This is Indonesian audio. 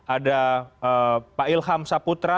ada pak ilham saputra